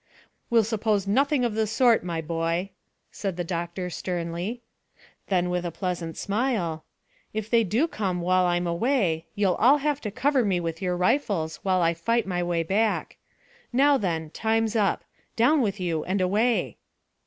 "We'll suppose nothing of the sort, my boy," said the doctor sternly. Then with a pleasant smile, "If they do come while I'm away you'll all have to cover me with your rifles while I fight my way back. Now then, time's up. Down with you, and away."